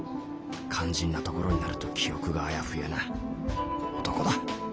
肝心なところになると記憶があやふやな男だ。